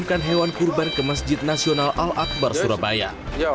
mengirim hewan kurban ke masjid nasional al akbar surabaya